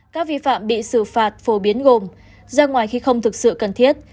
các vi phạm bị xử phạt phổ biến gồm ra ngoài khi không thực sự cần thiết